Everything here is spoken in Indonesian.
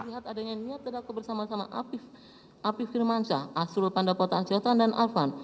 kita lihat adanya niat dan aku bersama sama apif apif kirmansyah asrul pandapota asyatan dan alvan